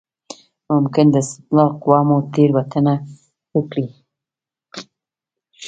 ممکن د استدلال قوه مو تېروتنه وکړي.